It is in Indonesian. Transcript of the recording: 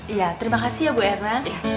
iya terima kasih ya bu erna